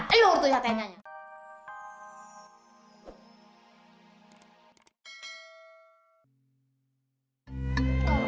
aduh waktunya tenyanya